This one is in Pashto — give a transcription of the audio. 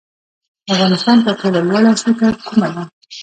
د افغانستان تر ټولو لوړه څوکه کومه ده؟